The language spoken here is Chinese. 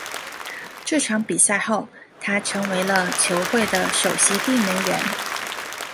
这场比赛后他成为了球会的首席定门员。